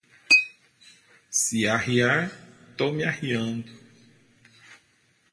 Se arriar, tô me arriando